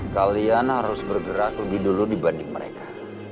kalian harus bergerak lebih dulu dibanding mereka